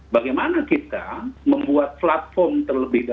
bagaimana kita membuat platform terlebih dahulu